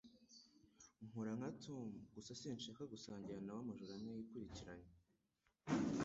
Nkora nka Tom. Gusa sinshaka gusangira nawe amajoro ane yikurikiranya.